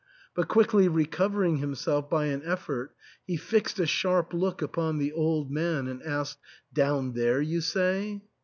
But quickly recovering himself by an effort, he fixed a sharp look upon the old man and asked, " Down there, you say